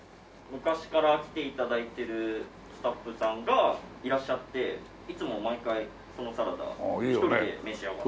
昔から来て頂いてるスタッフさんがいらっしゃっていつも毎回そのサラダを１人で召し上がって。